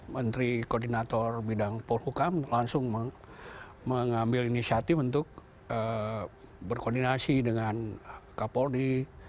menteri koordinator bidang polhukam langsung mengambil inisiatif untuk berkoordinasi dengan kapolri